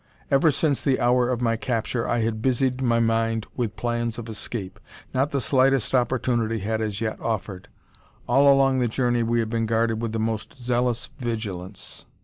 Ever since the hour of my capture I had busied my mind with plans of escape. Not the slightest opportunity had as yet offered. All along the journey we had been guarded with the most zealous vigilance.